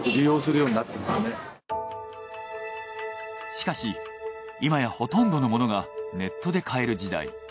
しかし今やほとんどのものがネットで買える時代。